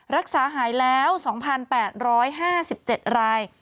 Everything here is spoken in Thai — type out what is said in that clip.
รักษาหายแล้ว๒๘๕๗ราย